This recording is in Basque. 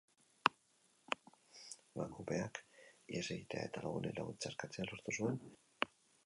Emakumeak ihes egitea eta lagunei laguntza eskatzea lortu zuen, epaiaren arabera.